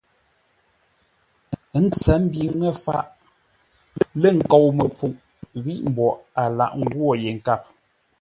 Ə́ tsəmbi ŋə́ faʼ lə̂ nkou-məpfuʼ, ghíʼ mboʼ a lâghʼ ngwô yé nkâp.